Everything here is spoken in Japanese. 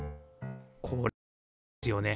これなんですよね。